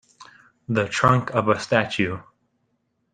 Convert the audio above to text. The trunk of a statue.